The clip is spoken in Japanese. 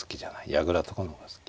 矢倉とかの方が好き。